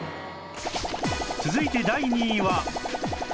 続いて第２位は